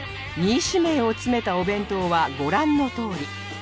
２位指名を詰めたお弁当はご覧のとおり